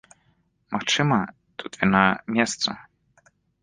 Магчыма, тут віна месца.